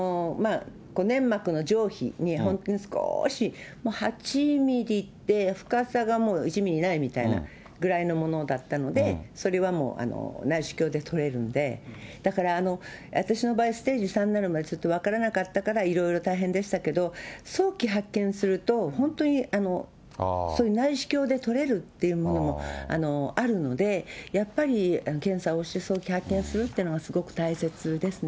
粘膜の上皮に、本当に少しもう８ミリで深さがもう、１ミリないみたいなぐらいのものだったので、それはもう内視鏡で取れるんで、だから、私の場合、ステージ３になるまで、ずっと分からなかったからいろいろ大変でしたけど、早期発見すると、本当にそういう内視鏡で取れるっていうものもあるので、やっぱり検査をして、早期発見するっていうのがすごく大切ですね。